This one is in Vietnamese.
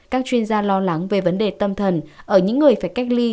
các chuyên gia lo lắng về vấn đề tâm thần ở những người phải cách ly